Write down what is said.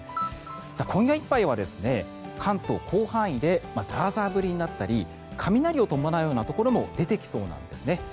今夜いっぱいは関東広範囲でザーザー降りになったり雷を伴うようなところも出てきそうなんですね。